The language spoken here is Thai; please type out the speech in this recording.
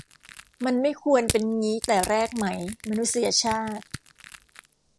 มันไม่ควรเป็นงี้แต่แรกไหม มนุษยชาติ